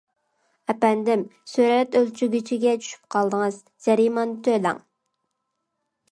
ئەپەندىم سۈرەت ئۆلچىگۈچكە چۈشۈپ قالدىڭىز جەرىمانە تۆلەڭ!